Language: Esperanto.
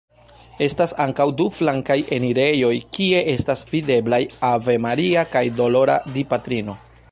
Estas ankaŭ du flankaj enirejoj, kie estas videblaj Ave Maria kaj Dolora Dipatrino.